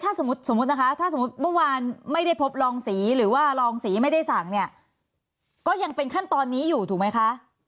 ถ้าสมมุตินะคะถ้าสมมุติเมื่อวานไม่ได้พบรองสีหรือว่ารองสีไม่ได้สั่งเนี่ยก็ยังเป็นขั้นตอนนี้อยู่ถูกไหมคะ